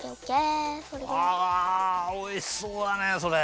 あおいしそうだねそれ。